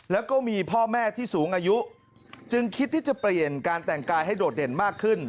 แล้วก็มีพ่อแม่ที่สูงอายุจึงคิดที่จะเปลี่ยนการแต่งกายให้โดดเด่นมากขึ้น